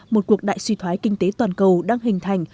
một cuộc đại suy thoái kinh tế toàn cầu đang hình thành